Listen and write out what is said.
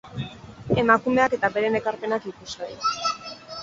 Emakumeak eta beren ekarpenak ikusgai.